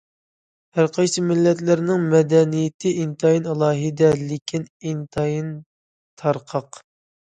ھەرقايسى مىللەتلەرنىڭ مەدەنىيىتى ئىنتايىن ئالاھىدە، لېكىن ئىنتايىن تارقاق.